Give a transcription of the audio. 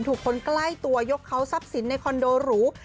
ถูกคนใกล้ตัวยกเขาทรัพย์สินในคอนโดหรู